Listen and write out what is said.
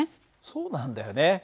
そうなんだよね。